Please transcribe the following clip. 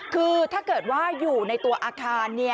คือถ้าเกิดว่าอยู่ในตัวอาคาร